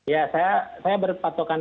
ya saya berpatokan